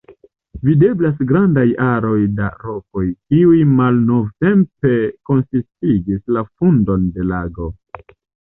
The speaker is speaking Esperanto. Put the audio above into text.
Videblas grandaj aroj da rokoj, kiuj malnovtempe konsistigis la fundon de lago.